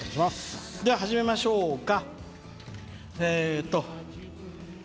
では、始めましょうか。